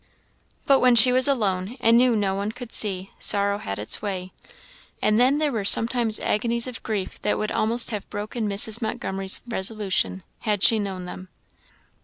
But when she was alone, and knew no one could see, sorrow had its way; and then there were sometimes agonies of grief that would almost have broken Mrs. Montgomery's resolution, had she known them.